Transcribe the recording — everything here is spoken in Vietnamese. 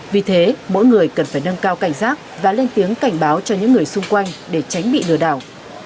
vì thế mỗi người cần phải nâng cao cảnh giác và lên tiếng cảnh báo cho những người xung quanh để tránh bị lừa đảo